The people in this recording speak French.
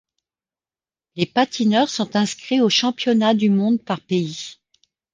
Les patineurs sont inscrits aux championnats du monde par pays.